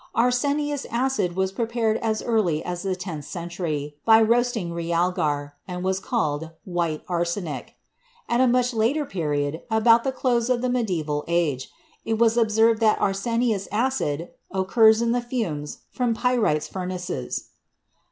Arsenious acid was prepared as early as the tenth century, by roasting realgar, and was called "white arsenic." At a much later period, about the close of the Medieval Age, it was observed that arsenious acid occurs in the fumes from pyrites furnaces.